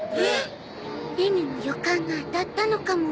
ネネの予感が当たったのかも。